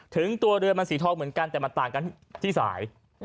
ถึงตัวเรือมันสีทองเหมือนกันแต่มันต่างกันที่สาย